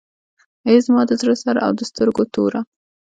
ای زما د زړه سره او د سترګو توره.